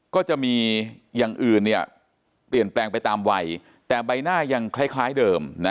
ก็จะมีอย่างอื่นเนี่ยเปลี่ยนแปลงไปตามวัยแต่ใบหน้ายังคล้ายเดิมนะ